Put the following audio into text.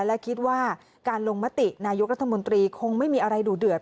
และคิดว่าการลงมตินายกรัฐมนตรีคงไม่มีอะไรดูเดือด